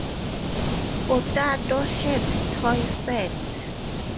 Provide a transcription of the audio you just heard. Potato Head toy set.